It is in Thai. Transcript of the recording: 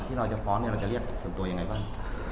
ที่เราจะฟ้องเนี่ยเราจะเรียกสันตัวยังไงบ้าง